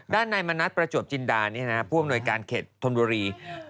ด้านในมณัฐประจวบจินดานผู้อำนวยการเขตธรรมดุรี